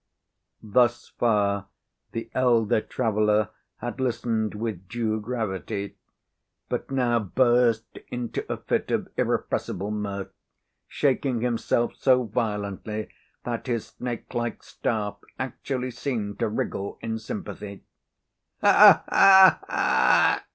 Thus far the elder traveller had listened with due gravity; but now burst into a fit of irrepressible mirth, shaking himself so violently that his snake like staff actually seemed to wriggle in sympathy. "Ha! ha! ha!"